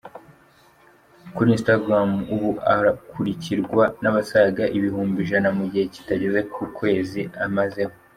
Kuri Instagram, ubu akurikirwa n’abasaga ibihumbi ijana mu gihe kitageze ku kwezi amazeho.